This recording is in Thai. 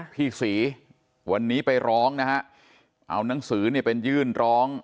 พี่ศรีวันนี้ไปร้องนะฮะเอานังสือเนี่ยไปยื่นร้อง